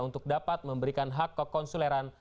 untuk dapat memberikan hak kekonsuleran